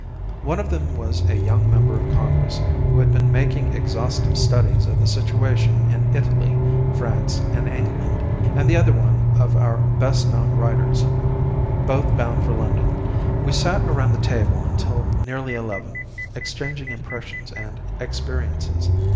One of them was a young member of Congress who had been making exhaustive studies of the situation in Italy, France and England, and the other one of our best known writers, both bound for London. We sat around the table until nearly eleven, exchanging impressions and experiences.